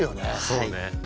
そうね。